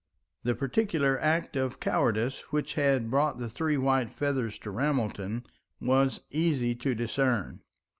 The particular act of cowardice which had brought the three white feathers to Ramelton was easy to discern.